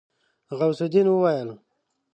غوث الدين وويل.